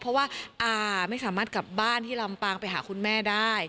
เพราะว่าอาไม่สามารถกลับบ้านที่ลำปางไปหาคุณแม่ได้